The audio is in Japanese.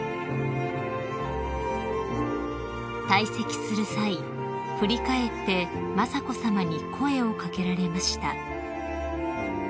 ［退席する際振り返って雅子さまに声を掛けられました］